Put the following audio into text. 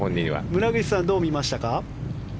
村口さんはどう見ましたか。